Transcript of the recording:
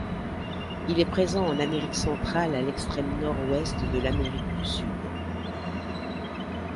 Il est présent en Amérique Centrale à l'extrême nord-ouest de l'Amérique du Sud.